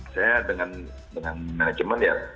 saya dengan manajemen ya